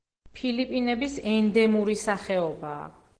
ფილიპინების ენდემური სახეობაა.